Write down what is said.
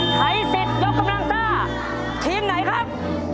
ใช้สิทธิ์ยกกำลังซ่าทีมไหนครับ